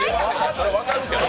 それは分かるけど。